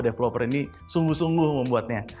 developer ini sungguh sungguh membuatnya